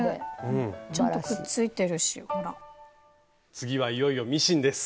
次はいよいよミシンです。